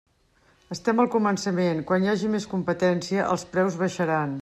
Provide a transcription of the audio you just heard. Estem al començament; quan hi hagi més competència, els preus baixaran.